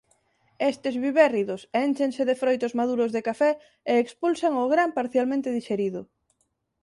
Estes vivérridos énchense de froitos maduros de café e expulsan o gran parcialmente dixerido.